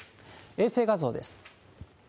衛星画像です。